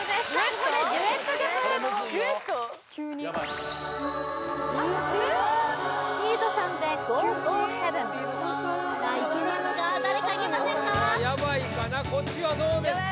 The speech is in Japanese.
これはやばいかなこっちはどうですか？